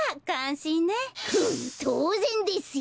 フッとうぜんですよ！